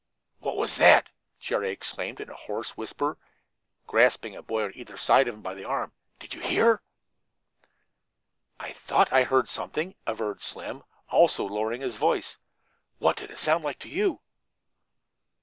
"What's that?" exclaimed Jerry in a hoarse whisper, grasping a boy on either side of him by the arm. "Did you hear?" "I thought I heard something," averred Slim, also lowering his voice. "What did it sound like to you?"